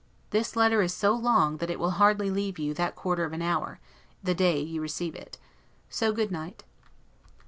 This letter is so long, that it will hardly leave you that quarter of an hour, the day you receive it. So good night.